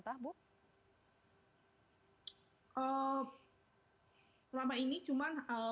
atau apakah ada pembatasan lain yang diberlakukan oleh pemerintah